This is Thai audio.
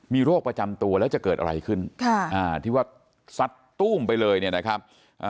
มีโรคประจำตัวแล้วจะเกิดอะไรขึ้นที่ว่าซัดตู้มไปเลยเนี่ยนะครับ